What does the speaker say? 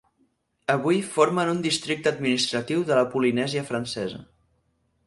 Avui formen un districte administratiu de la Polinèsia Francesa.